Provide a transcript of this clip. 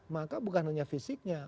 maka bukan hanya fisiknya